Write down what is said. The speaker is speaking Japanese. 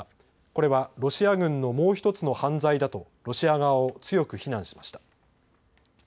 これはロシア軍のもう１つの犯罪だとロシア側を強く非難しました。